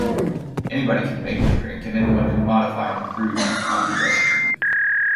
Anybody can make the drink, and anyone can modify and improve on the recipe.